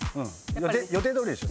予定どおりでしょ？